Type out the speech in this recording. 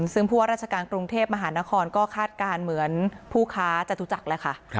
ซึ่งผู้ว่าราชการกรุงเทพมหานครก็คาดการณ์เหมือนผู้ค้าจตุจักรแล้วค่ะ